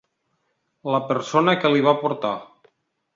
La persona que l'hi va portar.